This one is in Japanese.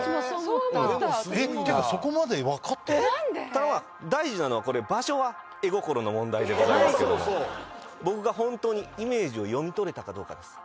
ただ大事なのは場所は絵心の問題でございますけども僕が本当にイメージを読み取れたかどうかです。